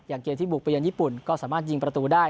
อย่างเกียรติที่บุกไปยันญี่ปุ่นก็สามารถยิงประตูได้